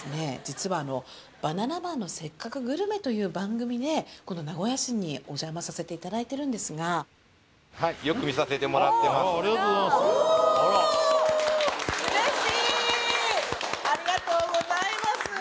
実はあの「バナナマンのせっかくグルメ！！」という番組でこの名古屋市におじゃまさせていただいてるんですがおおーっ！